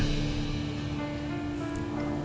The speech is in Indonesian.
kondisi nayla itu seperti apa dok